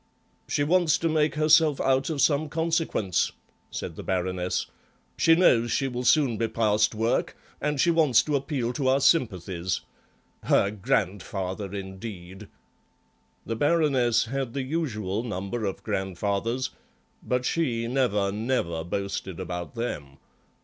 "She wants to make herself out of some consequence," said the Baroness; "she knows she will soon be past work and she wants to appeal to our sympathies. Her grandfather, indeed!" The Baroness had the usual number of grandfathers, but she never, never boasted about them.